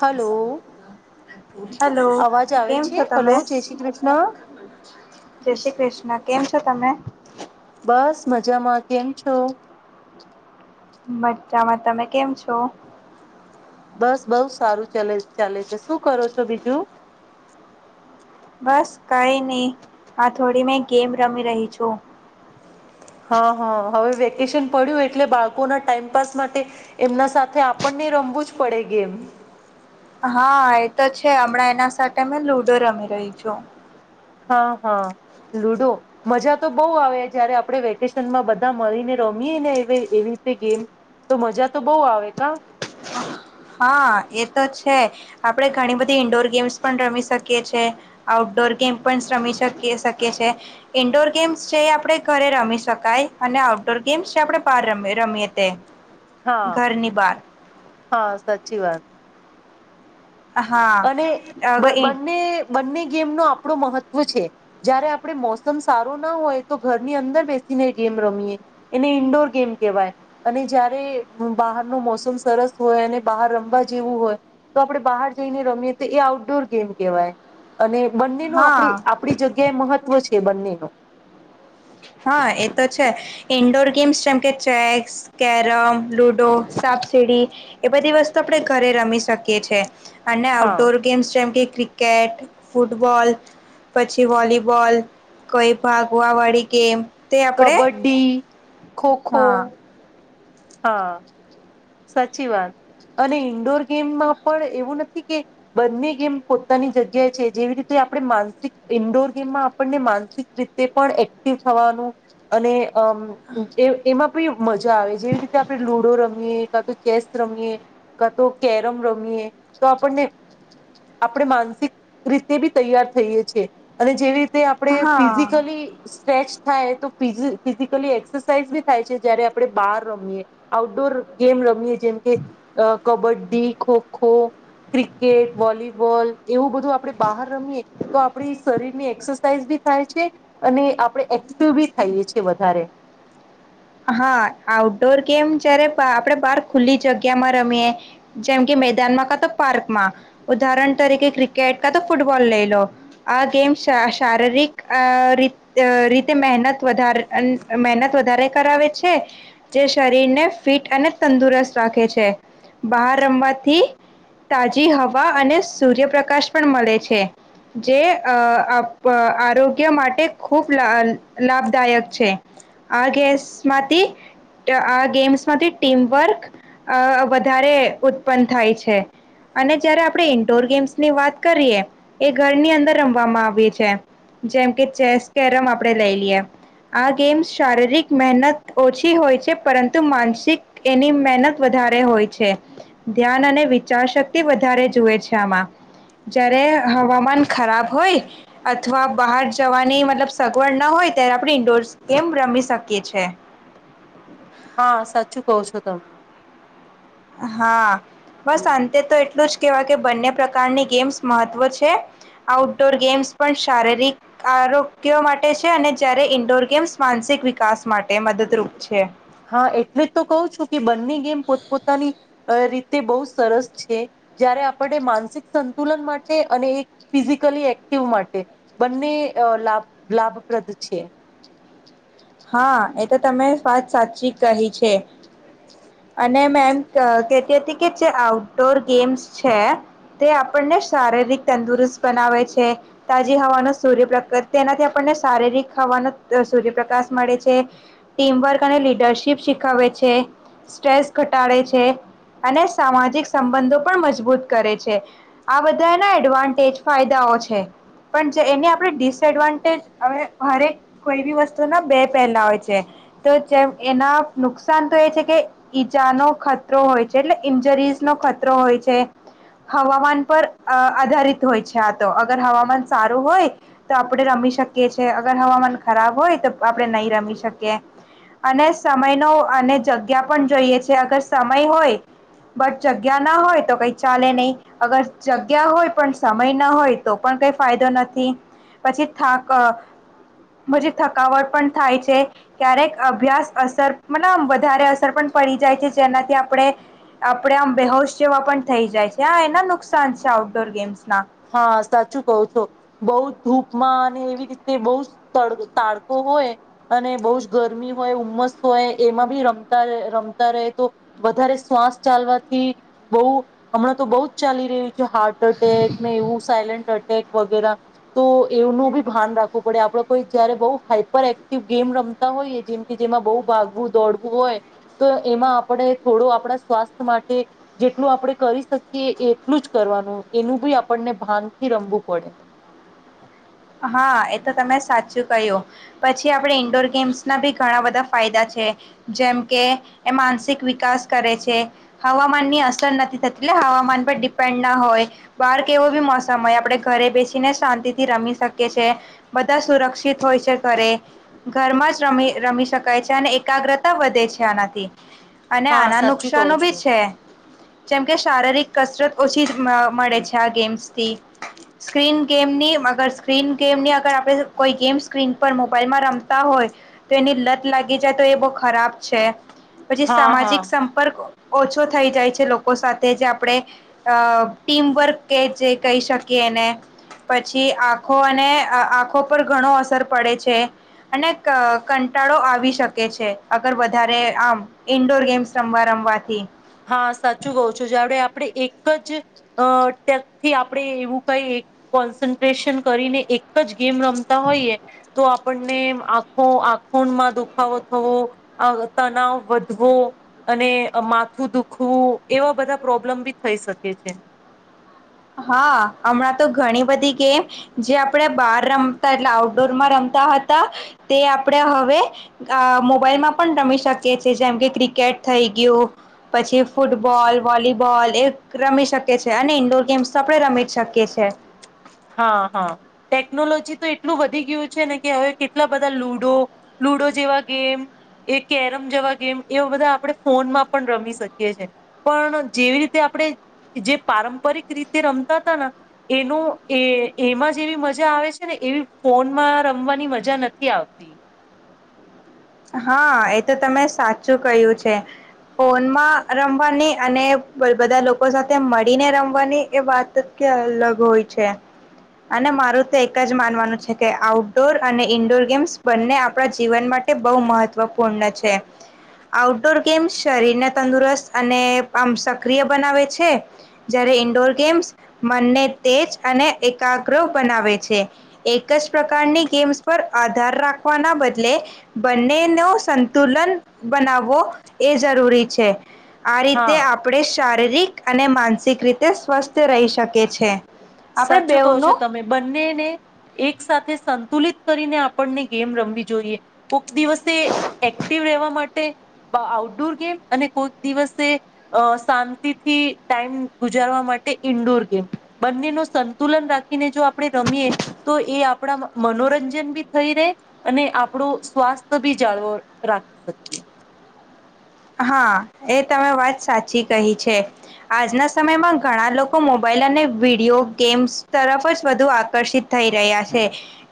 Hello hello, અવાજ આવે કેમ છે છો હલો તમે? જય શ્રી કૃષ્ણ જય શ્રી કૃષ્ણ. કેમ છો, તમે? બસ મજામાં, કેમ છો? મજામાં, તમે કેમ છો? બસ બઉ સારું ચલે ચાલે છે. શું કરો છો, બીજું? બસ કઈ ની, આ થોડી મેં ગેમ રમી રહી છું. હા, હા, હવે વેકેશન પડ્યું એટલે બાળકોના ટાઈમપાસ માટે એમના સાથે આપણને રમવું જ પડે, ગેમ. હા, એતો છે. હમણાં એના સાથે મેં લુડો રમી રહી છું. હા, હા, લુડો મજા તો બો આવે જયારે આપણે વેકેશનમાં બધા મળીને રમીએે ને એવી રીતે ગેમ, તો મજા તો બો આવે, કા? હા, એતો છે. આપડે ઘણી બધી ઈન્ડોર ગેમ્સ પણ રમી શકીએ છીએ, આઉટડોર ગેમ પણ રમી શકી શકીએ છે. ઈન્ડોર ગેમ્સ છે એ આપડે ઘરે રમી શકાય અને આઉટડોર ગેમ્સ છે આપડે બહાર ર રમીએ તે હા ઘરની બાર હા સાચી વાત. હા, અને અવે બ ઈ બંને બંને ગેમ નો આપડો મહત્વ છે. જયારે આપડ મોસમ સારો ના હોય, તો ઘરની અંદર બેસીને ગેમ રમીએ એને ઈન્ડોર ગેમ કેહેવાય અને જયારે બહારનું મોસમ સરસ હોય અને બહાર રમવા જેવું હોય, તો આપડે બહાર જઈને રમીએ, તો એ આઉટડોર ગેમ કહેવાય અને બંનેનો આપ હા આપડી જગ્યાએ મહત્વ છે. કે બન્નો. હા એ તો છે ઇન્ડોર ગેમ્સ જેમ કે ચેસ, કેરમ, લુડો સાપસીડી એ બધી વસ્તુ આપણે ઘરે રમી શકીએ છે. અને હા આઉટડોર ગેમ્સ જેમ કે ક્રિક ક્રિકેટ ફૂટબોલ પછી વોલીબોલ કઈ ભાગવા વાળી ગેમ કબડ્ડી, ખોખો હા હા. સાચી વાત અને ઇન્ડોર ગેમમાં પણ એવું નથી કે બંને ગેમ પોતાની જગ્યાએ છે જેવી રીતે આપણે માનસિક ઇન્ડોર ગેમમાં આપણને માનસિક રીતે પણ એક્ટિવ થવાનું અને અ એ એમાં આપ મજા આવે જેવી રીતે આપડણે લુડો રમીએ. કા તો ચેસ રમીએ કા તો કેરમ રમીએ તો આપણને આપણે માનસિક રીતે બી તૈયાર થઈએ છીએ અને જેવી રીતે તે આપણે હા ફિઝિકલી સ્ટચ થાય તો ફિઝિકલી એક્સરસાઇઝ બી થાય છે જયારે આપણે બહાર રમીએ આઉટડોર ગેમ રમીએ છીએ જેમ કે અ કબડ્ડી કબડી, ખો ખો, ક્રિકેટ વોલીબોલ એવું બધું જો આપણે બહાર રમીએ તો આપણી શરીરની એક્સરસાઇઝ બી થાય છે અને આપણે એક્ટિવ બી થઈએ છીએ વધારે. હા આઉટડોર ગેમ જયારે આપડે બાર ખુલ્લી જગ્યામાં રમીએ જેમ કે મેદાનમાં કા તો પાર્ક માં ઉદાહરણ તરીકે ક્રિકેટ કા તો ફૂટબ બોલ લઈ લો આ ગેમ શ શારીરિક અ રી રીતે મહેનત વધારે અન મહેનત વધારે કરાવે છે. જે શરીરને ફિટ અને તંદુરસ્ત રાખે છે બહાર રમવાથી તાજી હવા અને સૂર્યપ્રકાશ પણ મળે છે જે આરોગ્ય અ માટે ખૂબ લા લાભદાયક છે આ ગેસ માંથી આ ગેમ્સમાંથી ટીમવર્ક અ વધારે ઉત્પન્ન થાય છે અને જયારે આપણે ઇન્ડોર ગેમ્સ ની વાત કરીએ એ ઘરની અંદર રમવામાં આવી છે જેમ કે ચેસ કેરમ આપણે લઈ લઈએ આ ગેમ્સ શારીરિક મહેનત ઓછી હોય છે પરંતુ માનસિક એની મહેનત વધારે હોય છે ધ્યાન અને વિચાર શક્તિ વધારે જુએ છે આમાં. જય્યારે હવામાન ખરાબ હોય અથવા બહાર જવાની મતલબ સગવડ ના હોય ત્યારે આપણે ઇન્ડોર ગેમ રમી શક કે છે. હા સાચું કો છો તમે. હા બસ અંતે તો એટલું જ કેવાય કે બંને પ્રકારની ગેમ્સ મહત્વ છે. આઉટડોર ગેમ્સ પણ શારીરિક આરોગ્ય માટે છે અને જયારે ઈન્ડોર ગેમ્સ માનસિક વિકાસ માટે મદદરૂપ છે. હા એટલે જ તો કહું છું કે બ બમની ગેમ પોત પોતાની રીતે બહુ સરસ છે જયારે આપણે માનસિક સંતુલન માટે અને એક ફિઝિકલી એક્ટિવ માટે બંને અ લાભ લાભપ્રદ છે. હા એ તો તમે વાત સાચી કહી છે. અને મે અ કેતી હતી કે ચ જે આઉટડોર ગેમ્સ છે તે આપણને શારીરિક તંદુરસ્ત બનાવે છે, તાજી હવાનો સૂર્યપ્રકા તેનાથી આપણને શારીરિક હવાનો અ સૂર્યપ્રકાશ મળે છે, ટીમવર્ક અને લીડરશીપ શીખવેે છે, સ્ટ્રેસ ઘટાડે છે અને સામાજિક સંબંધો પણ મજબૂત કરે છે. આ બધાના એડવાન્ટેજ, ફાયદાઓ છે પણ જે એને આપણે ડિસએડવાન્ટેજ હરે-હ-હરે કોઈ બી વસ્તુના બે પેલા હોય છે તો જે એના નુકસાન તો એ છે કે ઈજાનો ખતરો હોય છે એટલે ઈન્જરીઝ નો ખતરો હોય છે, હવામાન પર અ આધારિત હોય છે આ તો અગર હવામાન સારું હોય તો આપણે રમી શકીએ છે અગર હવામાન ખરાબ હોય તો આપડે નહી રમી શકીએ અને સમયનો અને જગ્યા પણ જોઈએ છે અગર સમય હોય બટ જગ્યા ના હોય તો કઈ ચાલે નહી, અગર જગ્યા હોય પણ સમય ના હોય તો પણ કઈ ફાયદો નથી. પછી થાક અ પછી થકાવટ પણ થાય છે. ક્યારેક અભ્યાસ અસર મટલબ આમ વધારે અસર પણ પડી જાય છે જેનાથી આપણે આપડે આમ બેહોશ જેવા પણ થઈ જાય છે. આ એના નુકસાન છે આઉટડોર ગેમ્સ હા, સાચું કોવ છો. બોવ ધૂપમાં અને એવી રીતે બોવ જ તડ-તાડકો હોય અને બો જ ગરમી હોય, ઉમસ હોય એમાં બી રમતા રમતા રહે તો વધારે શ્વાસ ચાલવાથી બોવ હમણાં તો બહુ જ ચાલી હાર્ટ અટેક એવું સાયલન્ટ અટેક વગેરા. તો એનું બી ભાન રાખવું પડે આપડે કોઈ જયારે બોવ હાઈપર એક્ટિવ ગેમ રમતા હોઈએ જેમ કે જેમાં બોવ ભાગવું દોડવું હોય તો એમાં આપણે થોડું આપણા સ્વાસ્થ્ય માટે જેટલું આપણે કરી શકીએ એટલું જ કરવાનું તેનું ભી આપણને ભાન થી રમવું પડે. હા, એ તો તમે સાચું કહ્યું પછી આપણે ઈન્ડોર ગેમ્સના બી ઘણા બધા ફાયદા છે. જેમ કે એ માનસિક વિકાસ કરે છે, હવામાનની અસર નથી થતી લો હવામાન પર ડિપેન્ડ ના હોય બહાર કેવો બી મોસમ હોય આપડે ઘરે બેસીને શાંતિ થી રમી શક છે, બધા સુરક્ષિત હોય છે. ઘરે ઘરમાં જ રમી રમી શકાય છે અને એકાગ્રતા વધે છે આનાથી. અને હા આના સાચું કહો નુકશાનો ભી છો. છે. જેમ કે શારીરિક કસરત ઓછી મ-મળે છે આ ગેમ્સથી. સ્ક્રીન ગેમની અગર સ્ક્રીન ગેમની અગર આપડે કોઈ ગેમ સ્ક્રીન પર મોબાઈલમાં રમતા હોય તો એની લત લાગી જાય તો એ બો ખરાબ છે. પછી હા હા સામાજિક સંપર્ક ઓછો થઈ જાય છે લોકો સાથે જે આપણે અઅ ટીમ વર્ક કે જે કહી શકીએ એને પછી આ આખો અને આંખો પર ઘણો અસર પડે છે અને ક-કંટાળો આવી શકે છે અગર વધારે આમ ઇન્ડોર ગેમ્સ રમવા રમવાથી. હા સાચું કહું છું જયારે આપણે એક જ અ ટકથી આપણે એવું કઈએ કોન્સન્ટ્રેશન કરીને એક જ ગેમ રમતા હોઈએ તો આપણને આંખો આંખોમાં દુખાવો થવો, અ તનાવ વધવો અને માથ થું દુખવું એવા બધા પ્રોબ્લેમ ભી થઈ શકે છે. હા, હમણાં તો ઘણી બધી ગેમ જે આપડે બાર રમતા એટલે આઉટડોરમાં રમતા હતા તે આપણે હવે અ મોબાઈલમાં પણ રમી શકીએ છે. જેમ કે ક્રિ કેટ થઈ ગ્યું પછી ફૂટબોલ, વોલીબોલ એ રમી શકે છે અને ઇન્ડોર ગેમ્સ સપડે રમી જ શકીએ છે. હા હા ટેકનોલોજી તો એટલું વધી ગયું છે ને કે હવે કેટલા બધા લુડો લુડો જેવા ગેમ, એ કેરમ જેવા ગેમ એવા બધા આપણે ફોનમાં પણ રમી શકીએ છે પણ જેવી રીતે આપણે જે પારંપરિક રીતે રમતા હતા ન એનું એ એમાં જેવી મજા આવે છે ને એવી ફોનમાં રમવાની મજા નથી આવતી. હા એ તો તમે સાચું કહ્યું છે. ફોનમાં રમવાની અને બ-બધા લોકો સાથે મળીને રમવાની એ વાત જ કઈ અલગ હોય છે અને મારું તો એક જ માનવાનું છે કે આઉટડોર અને ઇન્ડોર ગેમ્સ બંને આપણા જીવન મા ટે બોવ મહત્વપૂર્ણ છે. આઉટડોર ગેમ શરીરને તંદુરસ્ત અને આમ સક્રિય બનાવે છે. જ્યારે ઈન્ડોર ગેમ્સ મનને તેજ અને એકાગ્ર બનાવે છે. એક જ પ્રકારની ગેમ્સ પર આધાર રાખવાના બદલે બંનેનું સંતુલન બનાવવો એ જરૂરી છે. આ રીતે હા આપણે શા શારીરિક અને માનસિક રીતે સ્વસ્થ રહી શકે છે. આપણે સાચું કહો છો બેવનું તમે બંનેને એક સાથે સં તુલિત કરીને આપણને ગેમ રમવી જોઈએ. દિવસે એક્ટિવ રહેવા મા ટે અ-આઉટડોર ગેમ અને કોક દિવસે અ શાંતિથી ટાઈમ ગુજારવા માટે ઇન્ડોર ગેમ બંનેનો સંતુલન રાખીને જો આપણે રમીએ તો એ આપણા મ-મનોરંજન બી થઈ રે અને આપણું સ્વાસ્થ બી જાળવો રાખી શકીએ. હા, એ તમે વાત સાચી કહી છે. આજના સમયમાં ઘણા લોકો મોબાઈલ અને વિડિઓ ગેમ્સ તરફ જ વધુ આકર્ષિત થઈ રહ્યા છે.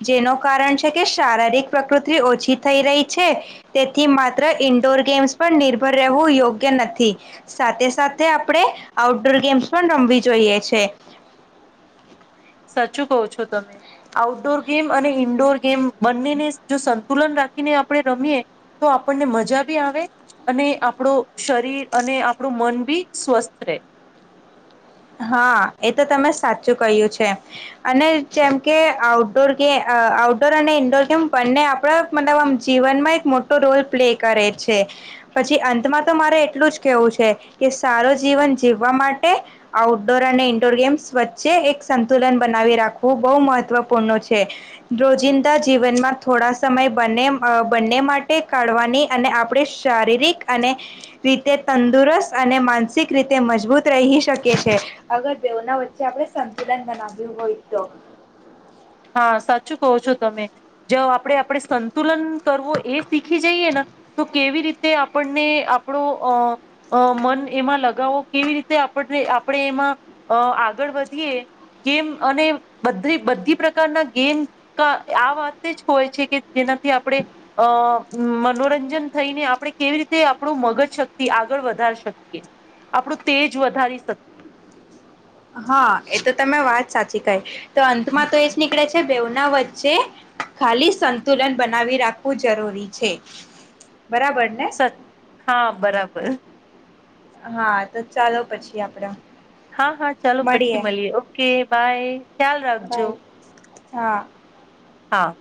જેનું કારણ છે કે શારીરિક પ્રકૃતિ ઓછી થઈ રહી છે તેથી માત્ર ઈન્ડોર ગેમ્સ પણ નિર્ભર રહેવું યોગ્ય નથી સાથે સાથે આપણે આઉટડોર ગેમ્સ પણ રમવી જોઈએ છે. સાચું કહો છો તમે, આઉટડોર ગેમ અને ઈન્ડોર ગેમ બંનેને જો સંતુલન રાખીને આપડે રમીએ, તો આપણને મજા બી આવે અને આપડુ શરીર અને આપડુ મનબી સ્વસ્થ રેહ. હા એ તો તમે સાચું કહ્યું છે, અને જેમ કે આઉટડોર ગે આઉટડોર અને ઈન્ડોર ગેમ બંને આપણા મતલબ આમ જીવનમાં એક મોટો રોલ પ્લે કરે છે, પછી અંતમાં તો મારે એટલું જ કેવું છે કે, સારું જીવન જીવવા માટે. આઉટડોર અને ઇન્ડોર ગેમ્સ વચ્ચે એક સંતુલન બનાવી રાખવું બહુ મહત્ત્વપૂર્ણ છે, રોજિંદા જીવનમાં થોડા સમય બંને બંને માટે કાઢવાની અને આપણે શારીરિક અને, રીતે તંદુરસ્ત અને માનસિક રીતે મજબૂત રહી શકીએ. છે, અગર દવના વચ્ચે આપણે સંતુલન બનાવ્યું હોય તો. હા સાચું કહો છો તમે, જો આપણે આપણે સંતુલન કરવું એ શીખી જઈએ ને, તો કેવી રીતે આપણને આપણો અ મન એમાં લગાવો કેવી રીતે આપણને આપણે એમાં, આગળ વધીએ કેમ અને બધ બધી પ્રકાર પ્રકારના ગેમ આ વાતે જ હોય છે કે જેનાથી આપણે, અ મનોરંજન થઈને આપણે કેવી રીતે આપણું મગજ શક્તિ આગળ વધારી શકીએ, આપણું તેજ વધારી શકીએ. હા એ તો તમે વાત સાચી કઈ. તો અંતમાં તો એ જ નીકળે છે બેઉના વ છે, ખાલી સંતુલન બનાવી રાખવું જરૂરી છે. બરાબર ને. સ હા બરાબર. હા તો ચાલો પછી આપડા. હા હા ચાલો પછી મળીએ ઓકે બાય ખ્યાલ રાખજો. બાય. હા. હા.